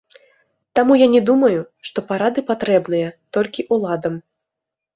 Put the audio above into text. Таму я не думаю, што парады патрэбныя толькі ўладам.